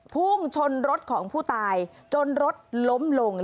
พุ่งชนรถของผู้ตายจนรถล้มลง